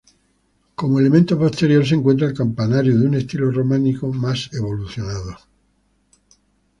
Como elemento posterior, se encuentra el campanario, de un estilo románico más evolucionado.